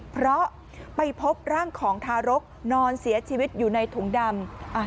เพราะไปพบร่างของทารกนอนเสียชีวิตอยู่ในถุงดำ